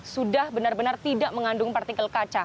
sudah benar benar tidak mengandung partikel kaca